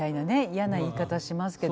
嫌な言い方しますけど。